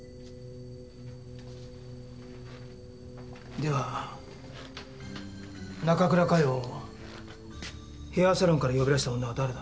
では中倉佳世をヘアサロンから呼び出した女は誰だ？